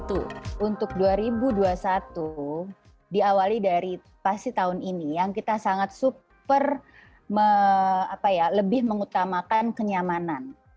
untuk dua ribu dua puluh satu diawali dari pasti tahun ini yang kita sangat super lebih mengutamakan kenyamanan